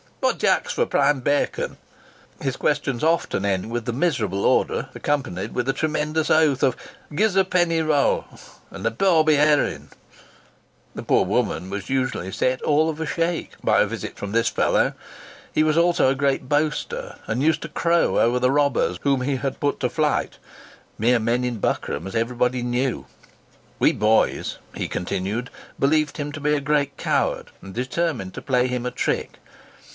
'What d'ye ax for prime bacon?'—his questions often ending with the miserable order, accompanied with a tremendous oath, of 'Gie's a penny rrow (roll) an' a baubee herrin!' The poor woman was usually set 'all of a shake' by a visit from this fellow. He was also a great boaster, and used to crow over the robbers whom he had put to flight; mere men in buckram, as everybody knew. We boys," he continued, "believed him to be a great coward, and determined to play him a trick.